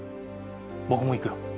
僕も行くよ。